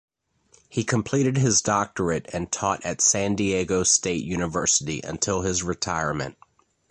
He completed his doctorate and taught at San Diego State University until his retirement.